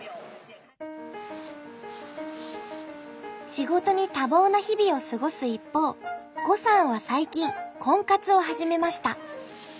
仕事に多忙な日々を過ごす一方呉さんは最近婚活を始めました。